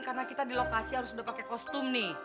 karena kita di lokasi harus udah pake kostum nih